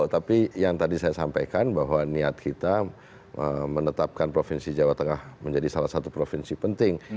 tapi yang tadi saya sampaikan bahwa niat kita menetapkan provinsi jawa tengah menjadi salah satu provinsi penting